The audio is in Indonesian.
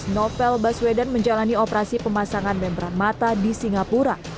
novel baswedan menjalani operasi pemasangan bemran mata di singapura